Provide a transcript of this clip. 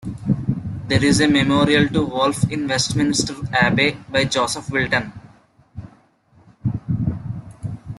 There is a memorial to Wolfe in Westminster Abbey by Joseph Wilton.